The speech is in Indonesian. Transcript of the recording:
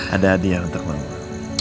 ada hadiah untuk mama